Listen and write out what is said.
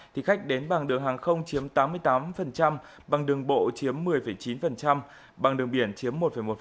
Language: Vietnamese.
thì khách đến bằng đường hàng không chiếm tám mươi tám bằng đường bộ chiếm một mươi chín bằng đường biển chiếm một một